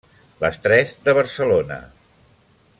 Les tres de Barcelona.